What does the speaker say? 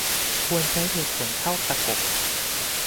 ควรใช้เหตุผลเข้าประกบ